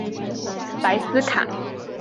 莱斯坎。